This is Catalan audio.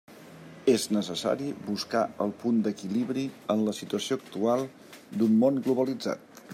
És necessari buscar el punt d'equilibri en la situació actual d'un món globalitzat.